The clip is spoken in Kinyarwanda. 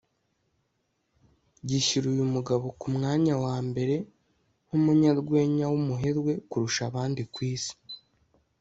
gishyira uyu mugabo ku mwanya wa mbere nk’umunyarwenya w’umuherwe kurusha abandi ku Isi